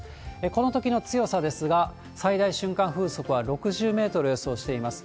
このときの強さですが、最大瞬間風速は６０メートルを予想しています。